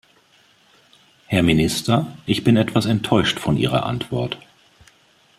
Herr Minister, ich bin etwas enttäuscht von Ihrer Antwort.